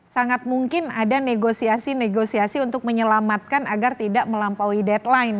sangat mungkin ada negosiasi negosiasi untuk menyelamatkan agar tidak melampaui deadline